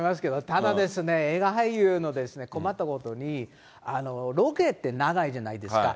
ただ、映画俳優の困ったことに、ロケって長いじゃないですか。